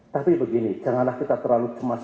tapi begini janganlah kita terlalu cemas